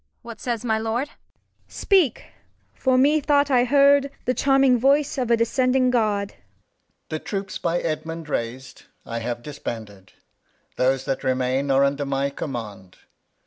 Kent. What says my Lord ? Cord. Speak, for methought I he_ard The charming Voic e oi a descending: God. Alb. The Troops, by Edmund rais'd, I have disbanded ; Those that remain are under my Command.